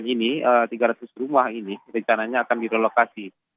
ini tiga ratus rumah ini rencananya akan direlokasi